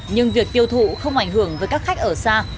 nhưng việc tiêu thụ không ảnh hưởng với các khách ở xa